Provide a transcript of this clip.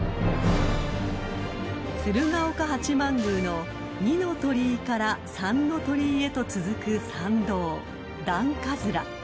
［鶴岡八幡宮の二ノ鳥居から三ノ鳥居へと続く参道］